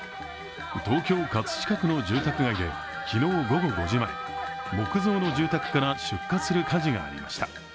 東京・葛飾区の住宅街で昨日午後５時前、木造の住宅から出火する火事がありました。